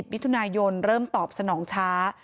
มิถุนายนเริ่มตอบสนองช้า